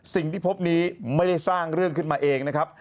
สิ่งที่พบนี้ไม่ได้สร้างเรื่องขึ้นมาเองนะครับ